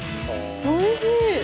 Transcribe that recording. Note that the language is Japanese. おいしい！